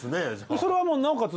それはなおかつ